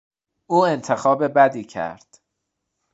او انتخاب بدی کرد.